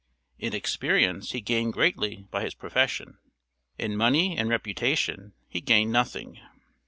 In experience he gained greatly by his profession; in money and reputation he gained nothing.